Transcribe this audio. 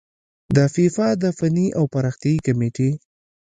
د فیفا د فني او پراختیايي کميټې